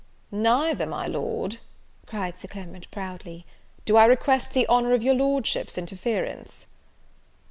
"Neither, my Lord," cried Sir Clement, proudly, "do I request the honour of your Lordship's interference."